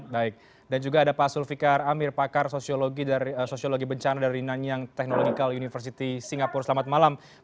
baik dan juga ada pak sulfikar amir pakar sosiologi bencana dari nanyang technological university singapura selamat malam